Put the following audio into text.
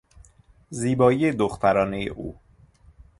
زیبایی دخترانهی او